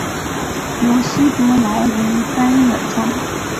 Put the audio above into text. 由希伯来文翻译而成。